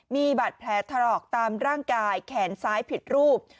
มีบัตรแผลทะเลาะตามร่างกายแขนซ้ายผิดรูป